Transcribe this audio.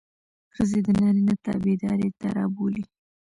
ښځې د نارينه تابعدارۍ ته رابولي.